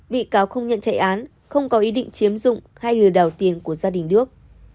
bị cáo không nhận chạy án không có ý định chiếm dụng hay lừa đảo tiền của gia đình đức